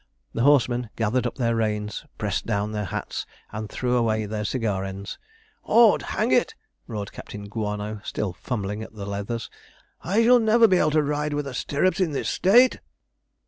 The horsemen gathered up their reins, pressed down their hats, and threw away their cigar ends. ''Ord hang it!' roared Captain Guano, still fumbling at the leathers, 'I shall never be able to ride with stirrups in this state.'